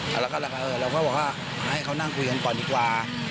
แล้วก็เราก็บอกว่าให้เขานั่งคุยกันก่อนดีกว่า